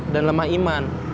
dan lemah iman